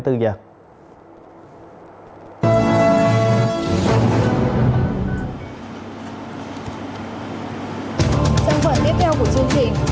trang phần tiếp theo của chương trình